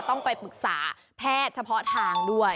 ต้องไปปรึกษาแพทย์เฉพาะทางด้วย